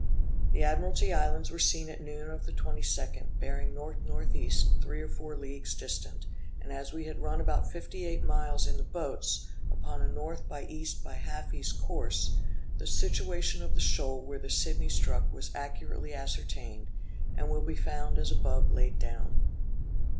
The Admiralty Islands were seen at noon of the 22d, bearing N. N. E. three or four leagues distant, and as we had run about fifty eight miles in the boats, upon a N. by E. half E. course, the situation of the shoal where the Sidney struck was accurately ascertained, and will be found as above laid down.